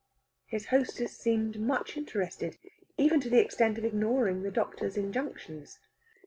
His hostess seemed much interested, even to the extent of ignoring the doctor's injunctions.